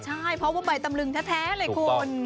ใช่เพราะว่าใบตำลึงแท้เลยคุณ